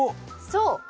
そう。